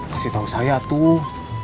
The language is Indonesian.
kasih tau saya tuh